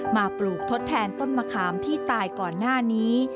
ปลูกทดแทนต้นมะขามที่ตายก่อนหน้านี้